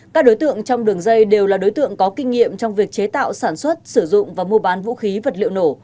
các đối tượng trong đường dây đều là đối tượng có kinh nghiệm trong việc chế tạo sản xuất sử dụng và mua bán vũ khí vật liệu nổ